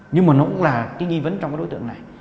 nhưng mà nó cũng là cái nghi vấn trong cái đối tượng này